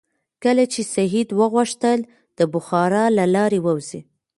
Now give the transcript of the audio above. کله چې سید وغوښتل د بخارا له لارې ووځي.